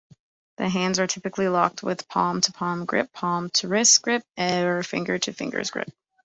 The hands are typically locked with a palm-to-palm grip, palm-to-wrist grip or fingers-to-fingers grip.